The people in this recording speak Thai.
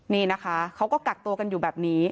นี่นะคะเขาก็กักตัวกันอยู่แบบนี้